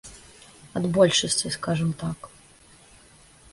Ад большасці, скажам так.